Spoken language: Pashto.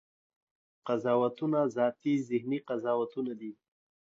قضاوتونه ذاتي ذهني قضاوتونه دي.